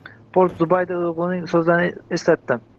Port Zubaydaga o`g`lining so`zlarini eslatdi